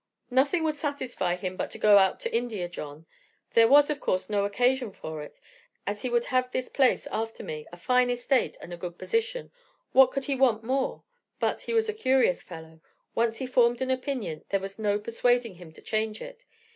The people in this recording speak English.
"Nothing would satisfy him but to go out to India, John. There was, of course, no occasion for it, as he would have this place after me a fine estate and a good position: what could he want more? But he was a curious fellow. Once he formed an opinion there was no persuading him to change it.